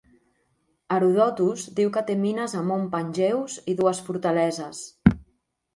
Herodotus diu que té mines a Mount Pangaeus i dues fortaleses.